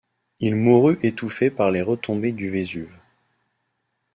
Il mourut étouffé par les retombées du Vésuve.